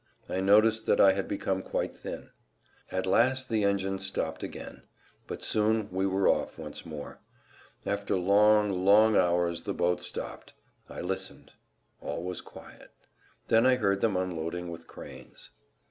I noticed that I had become quite thin. At last the engines stopped again. But soon we were off once more. After long, long hours the boat stopped. I listened. All was quiet. Then I heard them unloading with cranes.